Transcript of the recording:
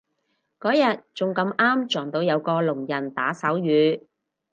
嗰日仲咁啱撞到有個聾人打手語